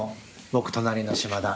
僕、隣の島田。